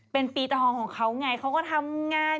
เป็นปีทองของเขาไงเขาก็ทำงาน